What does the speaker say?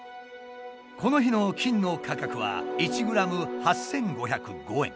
この日の金の価格は１ｇ８，５０５円。